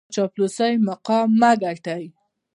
په چاپلوسۍ مقام مه ګټئ.